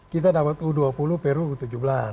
kita dapat u dua puluh peru u tujuh belas